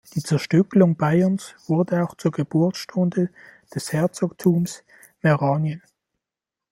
Die Zerstückelung Bayerns wurde auch zur Geburtsstunde des "Herzogtums Meranien".